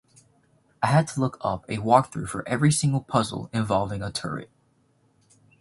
I had to look up a walkthrough for every single puzzle involving a turret.